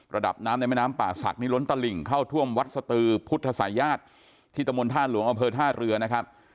ระดับน้ำในแม่น้ำป่าศักดิล้นตลิ่งเข้าท่วมวัดสตือพุทธศัยญาติที่ตะมนต์ท่าหลวงอำเภอท่าเรือนะครับ